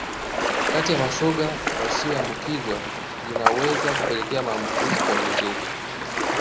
kati ya mashoga wasioambukizwa linaweza kupelekea maambukizi kuongezeka